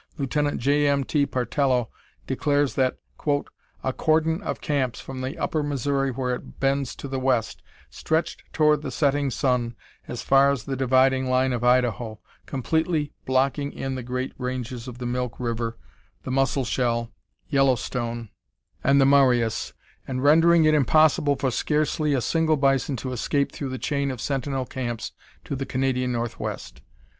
Lieut. J. M. T. Partello declares that "a cordon of camps, from the Upper Missouri, where it bends to the west, stretched toward the setting sun as far as the dividing line of Idaho, completely blocking in the great ranges of the Milk River, the Musselshell, Yellowstone, and the Marias, and rendering it impossible for scarcely a single bison to escape through the chain of sentinel camps to the Canadian northwest.